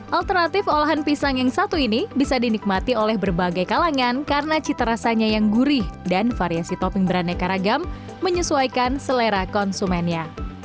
alternatif olahan pisang yang satu ini bisa dinikmati oleh berbagai kalangan karena cita rasanya yang gurih dan variasi topping beraneka ragam menyesuaikan selera konsumennya